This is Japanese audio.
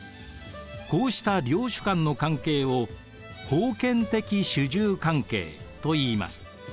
こうした領主間の関係を封建的主従関係といいます。